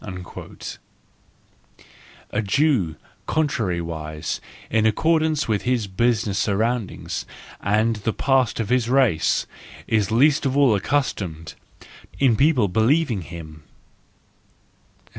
WE FEARLESS ONES 289 A Jew, contrariwise, in accordance with his business surroundings and the past of his race, is least of all accustomed—to people believing him.